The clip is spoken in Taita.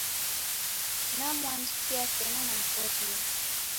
Namuandikia, sena namghoria.